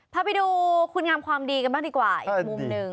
พาไปดูคุณงามความดีกันบ้างดีกว่าอีกมุมหนึ่ง